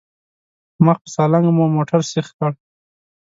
مخ په سالنګ مو موټر سيخ کړ.